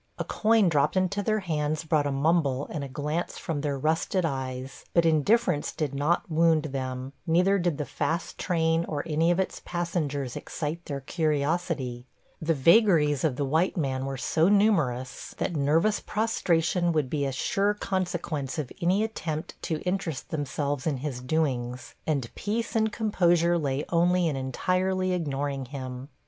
A coin dropped into their hands brought a mumble and a glance from their rusted eyes; but indifference did not wound them, neither did the fast train or any of its passengers excite their curiosity – the vagaries of the white man were so numerous that nervous prostration would be a sure consequence of any attempt to interest themselves in his doings, and peace and composure lay only in entirely ignoring him.